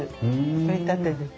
取りたてです。